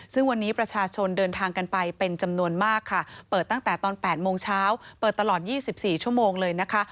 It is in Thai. ซึ่งวันนี้ประชาชนเดินทางกันไปเป็นจำนวนมากค่ะเปิดตั้งแต่ตอน๘โมงเช้าเปิดตลอด๒๔ชั่วโมงเลยนะคะ